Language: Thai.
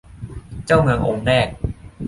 เจ้าเมืององค์แรก